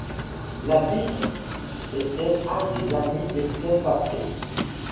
Labitte était un des amis d'Etienne Pasquier.